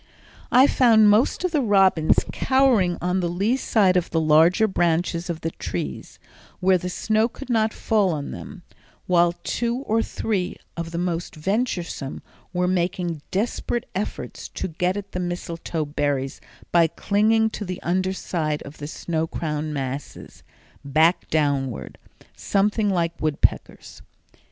I found most of the robins cowering on the lee side of the larger branches of the trees, where the snow could not fall on them, while two or three of the more venturesome were making desperate efforts to get at the mistletoe berries by clinging to the underside of the snow crowned masses, back downward, something like woodpeckers.